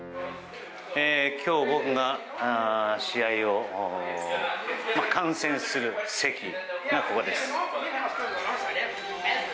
今日僕が試合を観戦する席がここです。